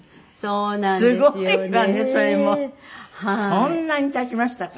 そんなに経ちましたか。